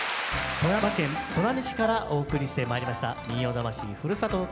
富山県砺波市からお送りしてまいりました「民謡魂ふるさとの唄」。